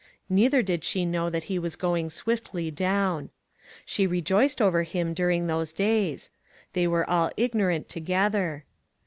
Neither did she know that he was going swiftly down. She rejoiced over him during these days. They were all ignorant together.